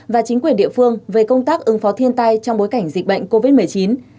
và chính quyền địa phương về công tác ứng phó thiên tai trong bối cảnh dịch bệnh covid một mươi chín